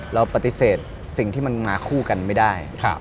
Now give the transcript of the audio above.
เราปฏิเสธสิ่งที่มันมาคู่กันไม่ได้